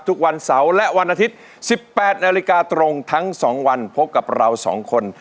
ทุกวันเสาร์และวันอาทิตย์๑๘นาฬิกาตรงทั้ง๒วันพบกับเรา๒คน